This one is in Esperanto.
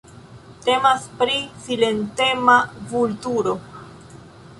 Temas pri silentema vulturo.